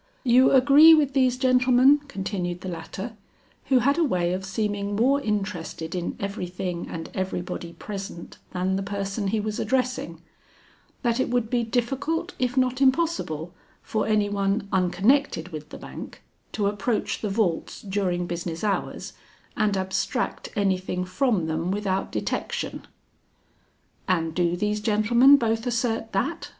"You agree then with these gentlemen," continued the latter, who had a way of seeming more interested in everything and everybody present than the person he was addressing, "that it would be difficult if not impossible for any one unconnected with the bank, to approach the vaults during business hours and abstract anything from them without detection?" "And do these gentleman both assert that?"